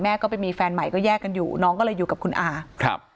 ไปมีแฟนใหม่ก็แยกกันอยู่น้องก็เลยอยู่กับคุณอาครับ